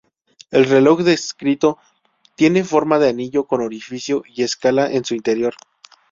El reloj descrito tiene forma de anillo con orificio y escala en su interior.